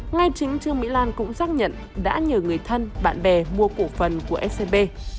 ngay chính trương mỹ lan cũng xác nhận đã nhờ người thân bạn bè mua cổ phần của scb